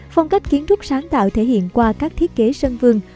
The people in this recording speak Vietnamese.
phong cách kiến trúc sáng tạo thể hiện qua các thiết kế sân vườn